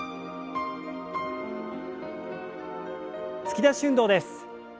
突き出し運動です。